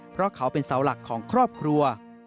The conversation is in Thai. เพราะเขาเป็นเสาหลักของครอบครัว